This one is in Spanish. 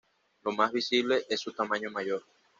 La más visible es su tamaño mayor.